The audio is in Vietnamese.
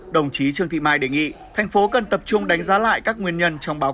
đồng chí trương thị mai đề nghị thành phố cần tập trung đánh giá lại các nguyên nhân trong báo cáo